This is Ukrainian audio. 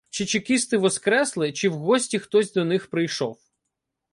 — Чи чекісти воскресли, чи в гості хтось до них прийшов?